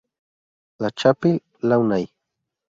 La Chapelle-Launay